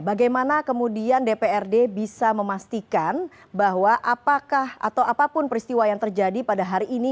bagaimana kemudian dprd bisa memastikan bahwa apakah atau apapun peristiwa yang terjadi pada hari ini